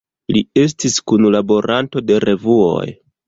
Li estis kunlaboranto de revuoj.